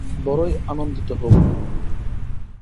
বড়ই আনন্দিত হব।